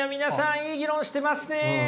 いい議論してますね！